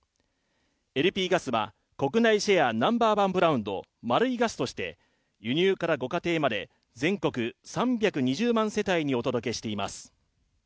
ＬＰガスは、国内シェアナンバーワンブランド・ＭａｒｕｉＧａｓとして輸入からご家庭まで、全国３２０万世帯にお届けしています。